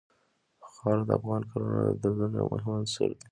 خاوره د افغان کورنیو د دودونو یو مهم عنصر دی.